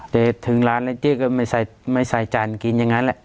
แต่ถึงร้านแล้วเจ๊ก็ไม่ใส่จานกินอย่างนั้นแหละ